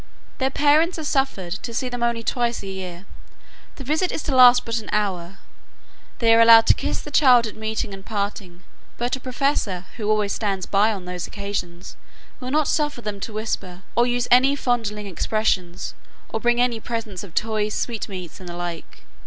Their parents are suffered to see them only twice a year; the visit is to last but an hour; they are allowed to kiss the child at meeting and parting; but a professor, who always stands by on those occasions, will not suffer them to whisper, or use any fondling expressions, or bring any presents of toys, sweetmeats, and the like.